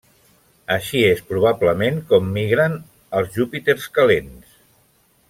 Així és probablement com migrant els Júpiters calents.